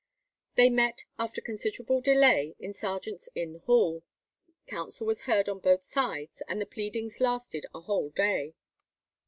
They met after considerable delay in Sergeant's Inn Hall, counsel was heard on both sides, and the pleadings lasted a whole day.